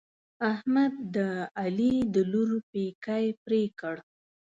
احمد د علي د لور پېکی پرې کړ.